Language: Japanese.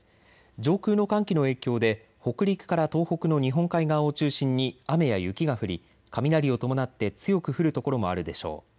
上空の寒気の影響で北陸から東北の日本海側を中心に雨や雪が降り雷を伴って強く降る所もあるでしょう。